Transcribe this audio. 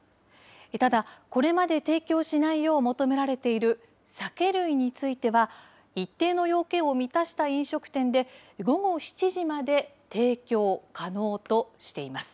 ただ、これまで提供しないよう求められている酒類については、一定の要件を満たした飲食店で、午後７時まで提供可能としています。